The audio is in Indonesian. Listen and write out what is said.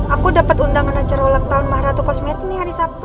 aku dapet undangan acara ulang tahun mbah ratu kosmetik nih hari sabtu